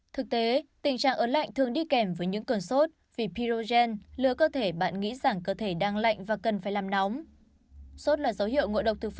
thực tế tình trạng ớn lạnh thường đi kèm với những cơn sốt vì pirogen lứa cơ thể bạn nghĩ rằng cơ thể đang lạnh và cần phải làm nóng